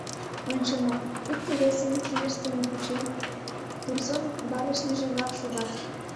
Ончылно, икте-весын кидыштым кучен, Турзон барышньыже-влак шогат.